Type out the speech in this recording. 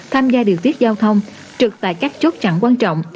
tham gia điều tiết giao thông trực tại các chốt chặn quan trọng